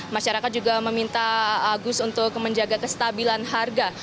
masyarakat juga meminta agus untuk menjaga kestabilan harga